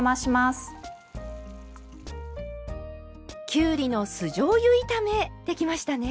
きゅうりの酢じょうゆ炒めできましたね。